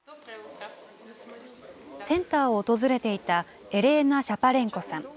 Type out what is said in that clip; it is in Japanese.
センターを訪れていたエレーナ・シャパレンコさん。